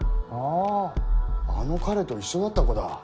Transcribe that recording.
あああの彼と一緒だった子だ。